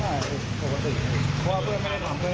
ไม่ได้เกี่ยวข้องอะไรด้วย